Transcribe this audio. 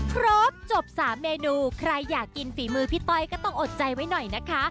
ครบจบ๓เมนูใครอยากกินฝีมือพี่ต้อยก็ต้องอดใจไว้หน่อยนะคะ